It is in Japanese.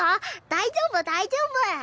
大丈夫大丈夫。